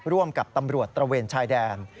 ร่วมกับตำรวจตระเวนชายแดน